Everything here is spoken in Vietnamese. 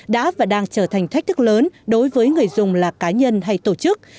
đã và đang trở thành thách thức lớn đối với người dùng là cá nhân hay tổ chức